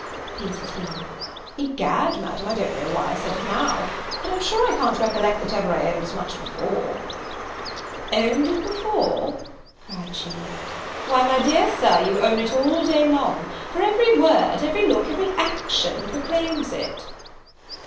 repeated he; "Egad, Madam, I don't know why I said it now; but I'm sure I can't recollect that ever I owned as much before." "Owned it before!" cried she, "why, my dear Sir, you own it all day long; for every word, every look, every action proclaims it."